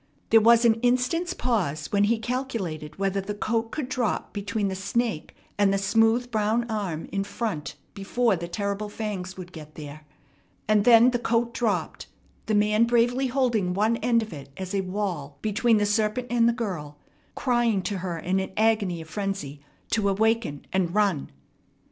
There was an instant's pause when he calculated whether the coat could drop between the snake and the smooth brown arm in front before the terrible fangs would get there; and then the coat dropped, the man bravely holding one end of it as a wall between the serpent and the girl, crying to her in an agony of frenzy to awaken and run.